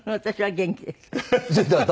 私は元気です。